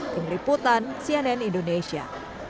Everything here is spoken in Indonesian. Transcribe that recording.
pemriputan cnn indonesia